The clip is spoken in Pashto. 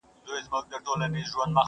o د خپل کور پير چا ته نه معلومېږي٫